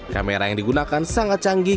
kamera yang digunakan sangat canggih